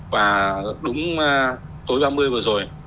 và đúng tối ba mươi vừa rồi